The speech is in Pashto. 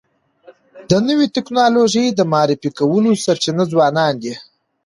د نوي ټکنالوژۍ د معرفي کولو سرچینه ځوانان دي.